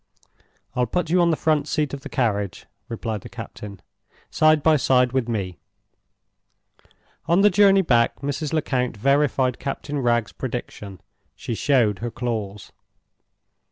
"I'll put you on the front seat of the carriage," replied the captain, "side by side with me." On the journey back Mrs. Lecount verified Captain Wragge's prediction. She showed her claws.